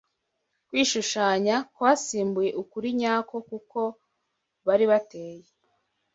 Kwishushanya kwasimbuye ukuri nyako k’uko bari bateye.